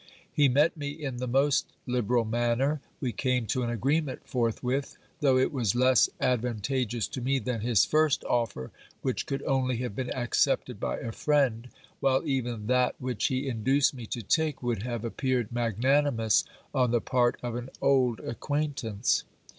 He met me in the most Hberal manner. We came to an agreement forthwith, though it was less advantageous to me than his first offer, which could only have been accepted by a friend, while even that which he induced me to take would have appeared magnanimous on the part of an old acquaintance.